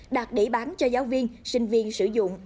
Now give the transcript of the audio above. đạt để bán cho giáo viên sinh viên sử dụng